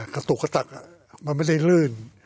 กระตุกกระตักมันไม่ได้ลื่น